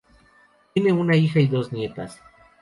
Tiene una hija y dos nietas.